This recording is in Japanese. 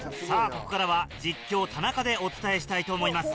ここからは実況・田中でお伝えしたいと思います